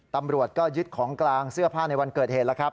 ตำรวจก็ยึดของกลางเสื้อผ้าในวันเกิดเหตุ